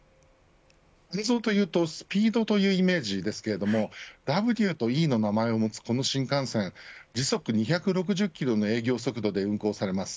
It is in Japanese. ハンゾーというとスピードというイメージですけれどＷとＥの名前を持つこの新幹線時速２６０キロの営業速度で運行されます。